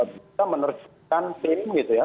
bisa menerjunkan tim gitu ya